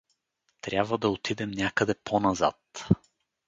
Трябва да отидем някъде по-назад.